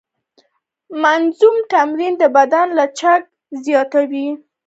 منظم تمرین د بدن لچک زیاتوي.